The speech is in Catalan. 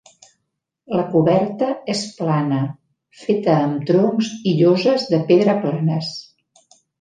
La coberta és plana, feta amb troncs i lloses de pedra planes.